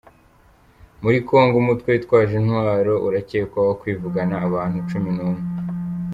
Muri Kongo Umutwe Witwaje Intwaro urakekwaho kwivugana abantu cumi numwe